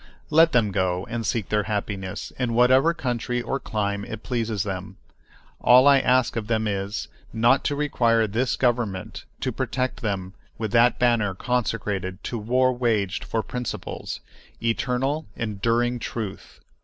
Let them go and seek their happiness in whatever country or clime it pleases them. All I ask of them is, not to require this government to protect them with that banner consecrated to war waged for principles—eternal, enduring truth.